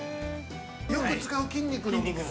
よく使う筋肉のところ。